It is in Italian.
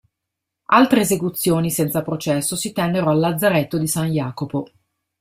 Altre esecuzioni, senza processo, si tennero al Lazzaretto di San Jacopo.